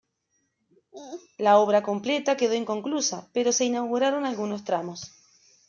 La obra completa quedó inconclusa, pero se inauguraron algunos tramos.